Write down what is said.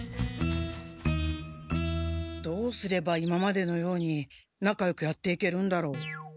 どうすれば今までのように仲よくやっていけるんだろう？